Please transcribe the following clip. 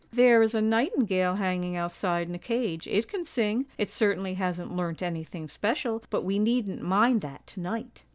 ' There is a nightingale hanging outside in a cage, it can sing; it certainly hasn't learnt anything special, but we needn't mind that to night.'